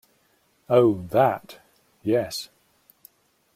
Oh, that, yes.